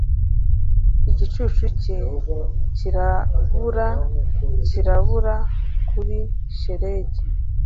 igicucu cye cyirabura cyirabura kuri shelegi,